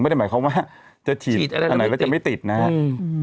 ไม่ได้หมายความว่าจะฉีดอันไหนแล้วจะไม่ติดนะครับ